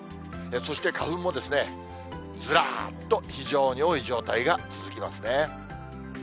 そして花粉もずらっと非常に多い状態が続きますね。